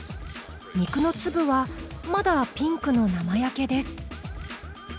肉の粒はまだピンクの生焼けです。